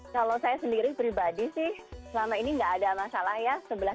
kalau saya sendiri pribadi sih selama ini nggak ada masalah ya